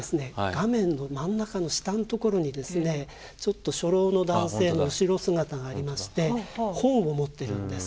画面の真ん中の下のところにですねちょっと初老の男性の後ろ姿がありまして本を持ってるんです。